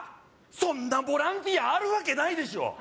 そんなボランティアあるわけないでしょ